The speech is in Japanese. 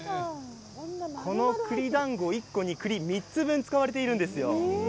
この栗だんごに栗３つ分、使われているんですよ。